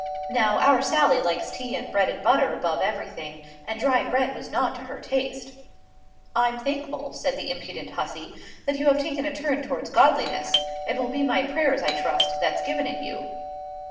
"Now, our Sally likes tea and bread and butter above everything, and dry bread was not to her taste. "'I'm thankful,' said the impudent hussy, 'that you have taken a turn towards godliness. It will be my prayers, I trust, that's given it you.